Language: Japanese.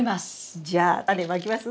じゃあタネまきます？